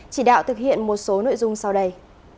chỉ đạo thực hiện một số nội dung sau đây